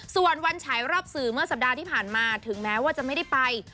ส่วนวันฉายรอบสื่อเมื่อสัปดาห์ที่ผ่านมาถึงแม้ว่าจะไม่ได้ไป